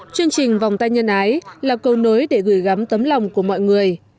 chương trình vòng tay nhân ái là câu nối để gửi gắm tấm lòng của mọi người